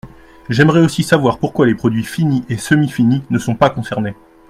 J’aimerais aussi savoir pourquoi les produits finis et semi-finis ne sont pas concernés.